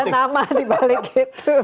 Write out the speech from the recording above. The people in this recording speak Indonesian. ada nama dibalik itu